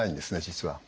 実は。